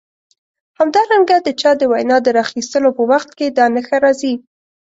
همدارنګه د چا د وینا د راخیستلو په وخت کې دا نښه راځي.